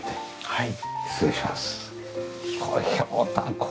はい。